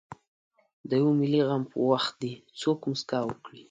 د یوه ملي غم په وخت دې څوک مسکا وکړي.